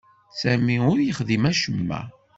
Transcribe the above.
Sami ur yexdim acemma.